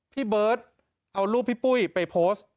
พี่เบิร์ตเอารูปพี่ปุ้ยไปโพสต์